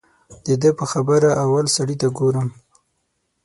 د ده په خبره اول سړي ته ګورم.